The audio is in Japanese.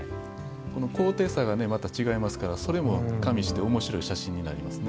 高低差が違いますからそれも加味しておもしろい写真になりますね。